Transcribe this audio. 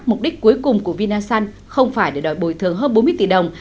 mục đích cuối cùng của vinasun không phải để đòi bồi thường hơn bốn mươi tỷ đồng